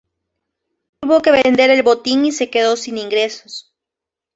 Tuvo que vender el botín y se quedó sin ingresos.